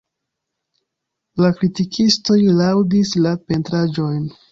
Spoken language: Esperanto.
La kritikistoj laŭdis la pentraĵojn.